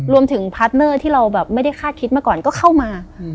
พาร์ทเนอร์ที่เราแบบไม่ได้คาดคิดมาก่อนก็เข้ามา